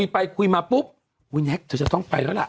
ไปคุยมาปุ๊บไถ้แน็กซ์จะต้องไปละ